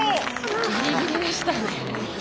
ギリギリでしたね。